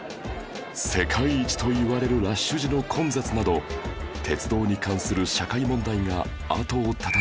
世界一といわれるラッシュ時の混雑など鉄道に関する社会問題があとを絶たない